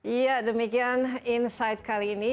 iya demikian insight kali ini